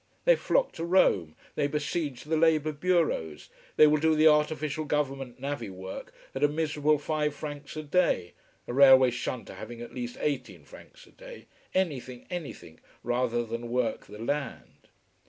They flock to Rome, they besiege the Labor bureaus, they will do the artificial Government navvy work at a miserable five francs a day a railway shunter having at least eighteen francs a day anything, anything rather than work the land.